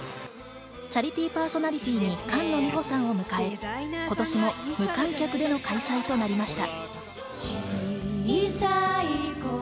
チャリティーパーソナリティーに菅野美穂さんを迎え、今年も無観客での開催となりました。